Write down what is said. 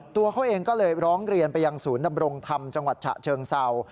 ตัวเขาเองก็เลยร้องเรียนไปยังศูนย์ดำรงธรรมจังหวัดฉะเชิงเศร้า